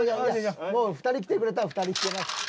もう２人来てくれたら２人引けます。